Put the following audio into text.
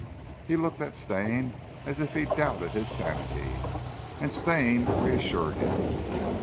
He looked at Stane, as if he doubted his sanity and Stane reassured him.